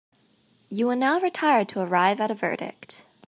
You will now retire to arrive at a verdict.